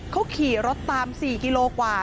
เขาขี่รถตาม๔กิโลกว่า